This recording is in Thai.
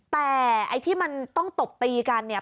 แต่ไอ้ที่มันต้องตบตีกันเนี่ย